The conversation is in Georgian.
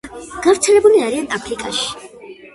გავრცელებული არიან აფრიკაში.